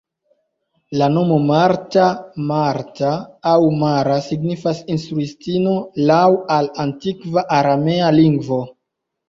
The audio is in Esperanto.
La nomo "Marta", "Martha" aŭ "Mara" signifas "instruistino", laŭ al antikva aramea lingvo.